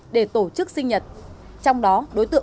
để tổ chức sinh nhật trong đó đối tượng